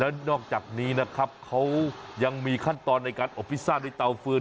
แล้วนอกจากนี้นะครับเขายังมีขั้นตอนในการอบพิซซ่าด้วยเตาฟืน